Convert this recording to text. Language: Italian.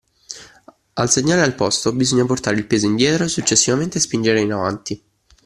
Al segnale “Al posto” bisogna portare il peso indietro, successivamente spingere in avanti.